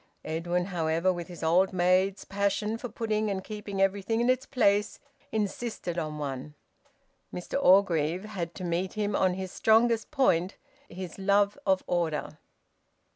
Edwin, however, with his old maid's passion for putting and keeping everything in its place, insisted on one. Mr Orgreave had to meet him on his strongest point, his love of order.